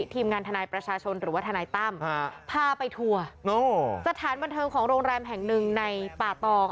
ทีมงานทนายประชาชนหรือว่าทนายตั้มพาไปทัวร์สถานบันเทิงของโรงแรมแห่งหนึ่งในป่าตอง